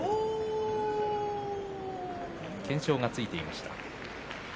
懸賞がついていました。